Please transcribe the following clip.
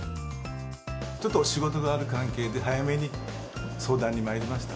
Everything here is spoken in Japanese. ちょっと仕事がある関係で、早めに相談にまいりました。